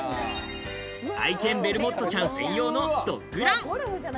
愛犬ベルモットちゃん専用のドッグラン。